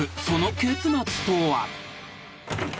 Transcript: その結末とは］